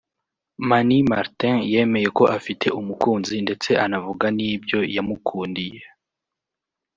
Mani Martin yemeye ko afite umukunzi ndetse anavuga n’ibyo yamukundiye